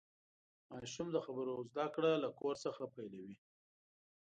ماشوم د خبرو زدهکړه له کور څخه پیلوي.